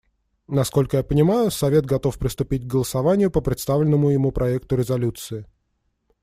Насколько я понимаю, Совет готов приступить к голосованию по представленному ему проекту резолюции.